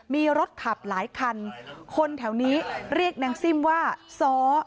มีรถขับหลายคันคนแถวนี้เรียกนางซิ่มว่าซ้อ